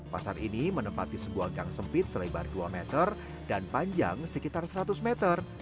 pasar ini menempati sebuah gang sempit selebar dua meter dan panjang sekitar seratus meter